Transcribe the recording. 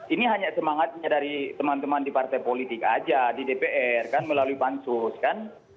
ini hanya semangatnya dari teman teman di partai politik aja di dpr kan melalui pansus kan